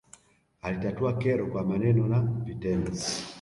alitatua kero kwa maneno na vitendo